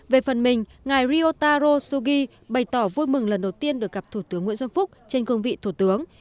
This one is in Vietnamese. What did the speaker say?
về phần mình ngài riotaro sugi bày tỏ vui mừng lần đầu tiên được gặp thủ tướng nguyễn xuân phúc trên cương vị thủ tướng